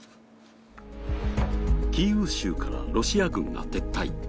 キーウ州からロシア軍が撤退。